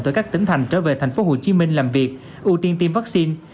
từ các tỉnh thành trở về thành phố hồ chí minh làm việc ưu tiên tiêm vaccine